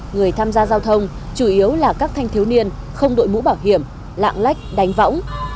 người tham gia giao thông chủ yếu là các thanh thiếu niên không đội mũ bảo hiểm lạng lách đánh võng